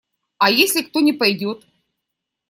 А если кто не пойдет?